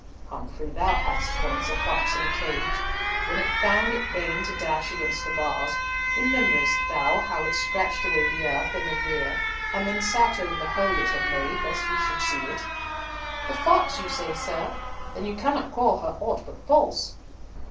"Humfrey, thou hadst once a fox in a cage. When it found it vain to dash against the bars, rememberest thou how it scratched away the earth in the rear, and then sat over the hole it had made, lest we should see it?" "The fox, say you, sir? Then you cannot call her ought but false."